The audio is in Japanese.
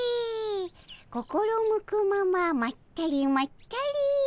心向くまままったりまったり」。